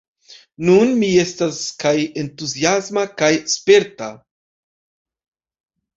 Nun mi estas kaj entuziasma kaj sperta.